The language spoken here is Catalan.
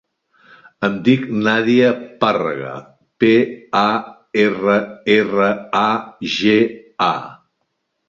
Em dic Nàdia Parraga: pe, a, erra, erra, a, ge, a.